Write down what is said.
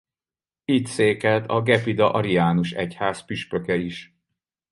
Itt székelt a gepida ariánus egyház püspöke is.